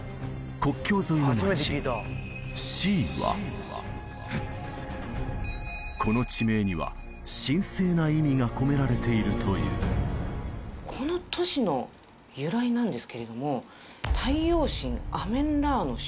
国境沿いの街この地名には神聖な意味が込められているというという意味なんです。